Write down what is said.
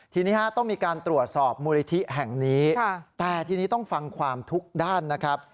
ทีนี้ต้องมีการตรวจสอบมูลนิธิแห่งนี้แต่ทีนี้ต้องฟังความทุกด้านนะครับ